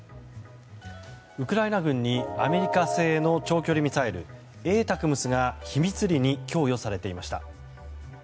ウクライナ軍にアメリカ製の長距離ミサイルＡＴＡＣＭＳが秘密裏に供与されていました。